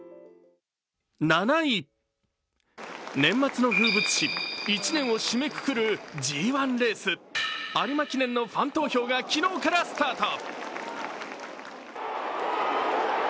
７位、年末の風物詩一年を締めくくるＧⅠレース、有馬記念のファン投票が昨日からスタート。